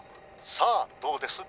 さあどうです？